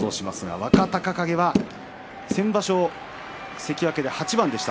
若隆景は先場所、関脇で８番でした。